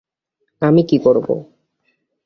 আমি কী করব?